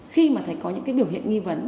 khi mà thấy có những biểu hiện nghi vấn